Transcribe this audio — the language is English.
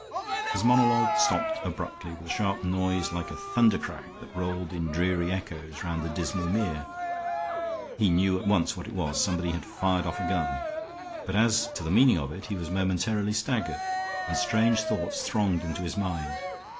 His monologue stopped abruptly with a sharp noise like a thundercrack that rolled in dreary echoes round the dismal mere. He knew at once what it was somebody had fired off a gun. But as to the meaning of it he was momentarily staggered, and strange thoughts thronged into his mind.